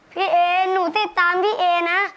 เอหนูติดตามพี่เอนะ